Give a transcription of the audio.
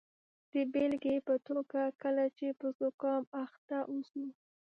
د بیلګې په توګه کله چې په زکام اخته اوسو.